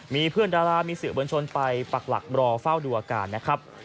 มีเพื่อนดารามีสื่อมวลชนไปปักหลักรอเฝ้าดูอาการนะครับ